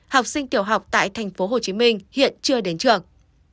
học sinh tiểu học tại tp hcm hiện chưa đến trường